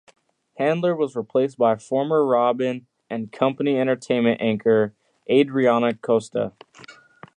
Handler was replaced by former Robin and Company entertainment anchor, Adrianna Costa.